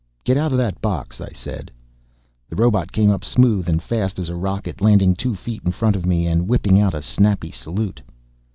"Get out of that box," I said. The robot came up smooth and fast as a rocket, landing two feet in front of me and whipping out a snappy salute.